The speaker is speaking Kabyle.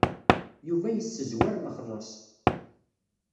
Yuba yessezwer lexlaṣ.